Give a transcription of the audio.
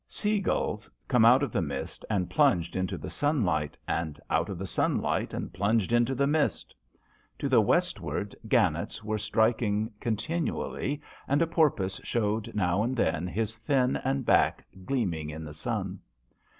Seagulls come out of the mist and plunged into the sunlight, and out of the sunlight and plunged into the mist. To the westward JOHN SHERMAN. 147 gannets were striking continually, and a porpoise showed now and then, his fin and back gleaming in the sun.